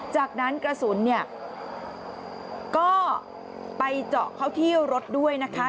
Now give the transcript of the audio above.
จากนั้นกระสุนเนี่ยก็ไปเจาะเข้าที่รถด้วยนะคะ